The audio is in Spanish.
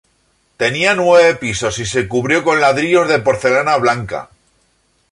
Tenía nueve pisos, y se cubrió con ladrillos de porcelana blanca.